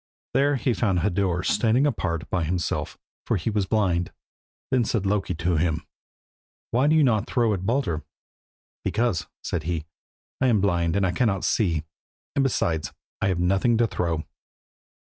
There he found Hodur standing apart by himself, for he was blind. Then said Loki to him "Why do you not throw at Baldur?" "Because," said he, "I am blind and cannot see him, and besides I have nothing to throw."